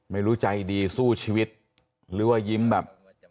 ไม่รู้ใจดีสู้ชีวิตหรือว่ายิ้มแบบ